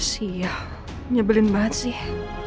siap nyebelin banget sih